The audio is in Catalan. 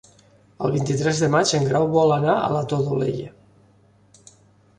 El vint-i-tres de maig en Grau vol anar a la Todolella.